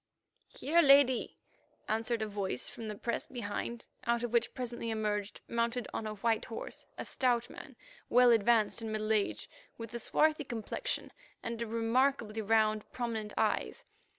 "Here, Lady," answered a voice from the press behind, out of which presently emerged, mounted on a white horse, a stout man, well advanced in middle age, with a swarthy complexion and remarkably round, prominent eyes.